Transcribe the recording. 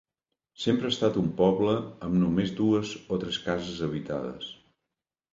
Sempre ha estat un poble amb només dues o tres cases habitades.